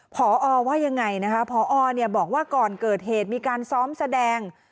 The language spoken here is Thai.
พอว่ายังไงนะคะพอบอกว่าก่อนเกิดเหตุมีการซ้อมแสดง